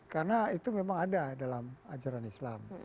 karena itu memang ada dalam ajaran islam